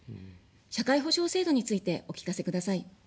社会保障制度についてお聞かせください。